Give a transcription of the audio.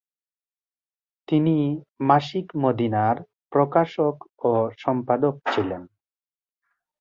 তিনি "মাসিক মদীনার" প্রকাশক ও সম্পাদক ছিলেন।